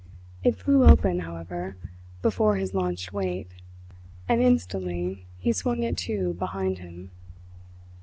It flew open, however, with a crash, before his launched weight, and instantly he swung it to behind him.